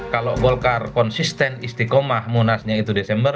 kalau golkar konsisten istiqomah munasnya itu desember